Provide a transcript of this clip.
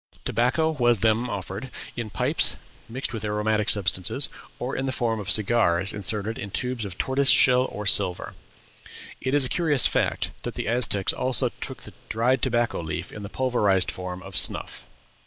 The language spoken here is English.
Tobacco was then offered, in pipes, mixed with aromatic substances, or in the form of cigars inserted in tubes of tortoise shell or silver. It is a curious fact that the Aztecs also took the dried tobacco leaf in the pulverized form of snuff.